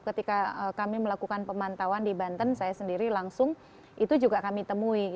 ketika kami melakukan pemantauan di banten saya sendiri langsung itu juga kami temui